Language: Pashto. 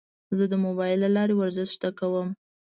زه د موبایل له لارې ورزش زده کوم.